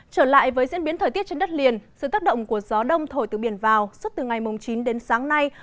trên biến thời tiết trên đất liền sự tác động của gió đông thổi từ biển vào suốt từ ngày chín đến sáng nay